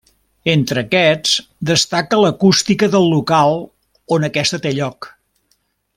Entre aquests destaca l'acústica del local on aquesta té lloc.